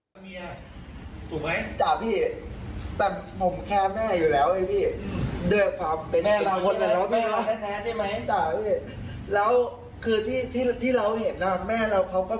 กำลังยากอย่างงั้นทั้งสองคน